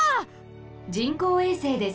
人工衛星です。